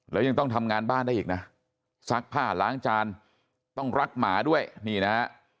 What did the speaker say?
แล้วยังต้องทำงานบ้านได้อีกนะซักผ้าล้างจานต้องรักหมาด้วยนี่นะฮะ